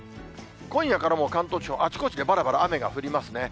今夜からもう関東地方、あちこちでばらばら雨が降りますね。